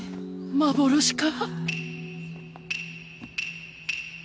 幻か？